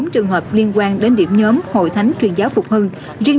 bốn trường hợp liên quan đến điểm nhóm hội thánh truyền giáo phục hưng